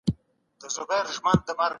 معلوم حق له زکات او خیرات څخه عبارت دی.